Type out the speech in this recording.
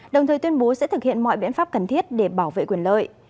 đồng thời tuyên bố sẽ thực hiện mọi biện pháp cần thiết để bảo vệ quyền lợi